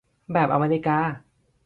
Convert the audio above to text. แบบอเมริกา